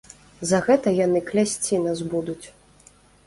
За гэта яны клясці нас будуць.